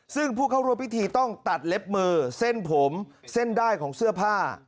ซึ่งผู้เข้าร่วมพิธีต้องตัดเล็บมือเส้นผมเส้นได้ของเสื้อผ้า